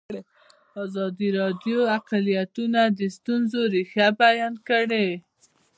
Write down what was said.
ازادي راډیو د اقلیتونه د ستونزو رېښه بیان کړې.